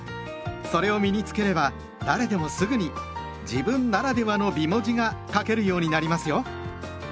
それを身に付ければ誰でもすぐに「自分ならではの美文字」が書けるようになりますよ。